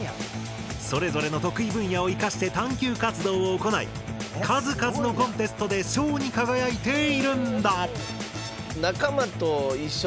それぞれの得意分野を生かして探究活動を行い数々のコンテストで賞に輝いているんだ！